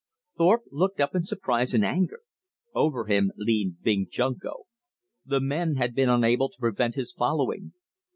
Thorpe looked up in surprise and anger. Over him leaned Big Junko. The men had been unable to prevent his following.